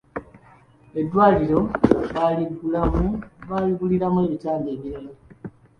Eddwaliro baaligulira ebitanda ebirala.